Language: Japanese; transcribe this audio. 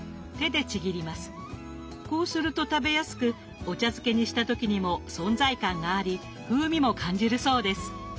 こうすると食べやすくお茶漬けにした時にも存在感があり風味も感じるそうです。